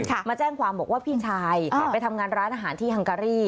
มาแจ้งความบอกว่าพี่ชายไปทำงานร้านอาหารที่ฮังการี